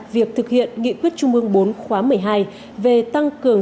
việc thực hiện nghị quyết trung ương bốn khóa một mươi hai về tăng cường